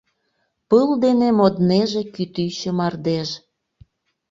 Пыл дене моднеже кӱтӱчӧ-мардеж